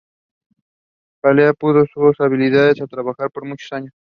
Peale puso sus habilidades a trabajar por muchos años.